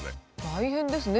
大変ですね